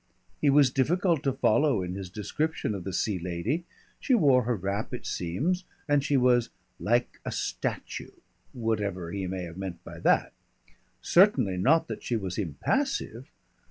He was difficult to follow in his description of the Sea Lady. She wore her wrap, it seems, and she was "like a statue" whatever he may have meant by that. Certainly not that she was impassive.